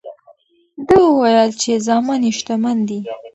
ده وویل چې زامن یې شتمن دي.